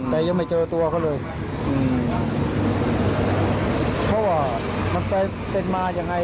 แต่ยังไม่เจอตัวเขาเลยอืมเพราะว่ามันไปเป็นมายังไง